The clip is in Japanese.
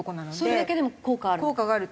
それだけでも効果ある？